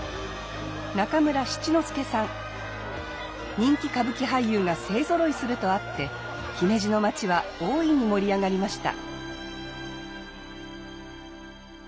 人気歌舞伎俳優が勢ぞろいするとあって姫路の町は大いに盛り上がりました。